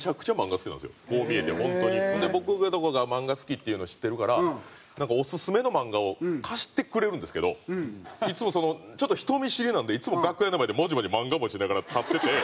僕とかが漫画好きっていうの知ってるからオススメの漫画を貸してくれるんですけどいつもちょっと人見知りなんでいつも楽屋の前でもじもじ漫画持ちながら立ってて。